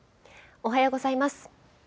おはようございます。